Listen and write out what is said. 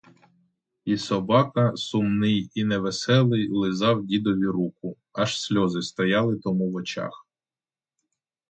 І собака, сумний і невеселий, лизав дідові руку, аж сльози стояли тому в очах.